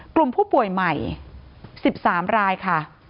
กลุ่มผู้ป่วยใหม่๑๓รายค่ะ